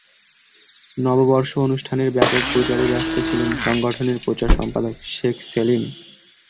নববর্ষ অনুষ্ঠানের ব্যাপক প্রচারে ব্যস্ত ছিলেন সংগঠনের প্রচার সম্পাদক শেখ সেলিম।